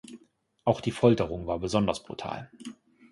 Auch die Folterung war besonders brutal.